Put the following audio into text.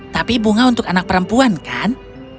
tapi bunga untuk anak perempuan kan